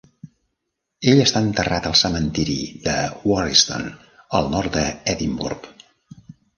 Ell està enterrat al cementiri de Warriston al nord d'Edimburg.